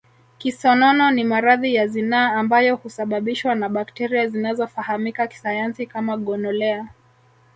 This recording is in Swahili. Kisonono ni maradhi ya zinaa ambayo husababishwa na bakteria zinazofahamika kisayansi kama gonolea